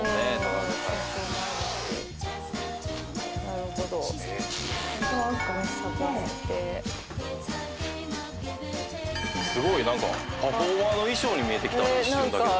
「合わせて」「すごいなんかパフォーマーの衣装に見えてきた一瞬だけど」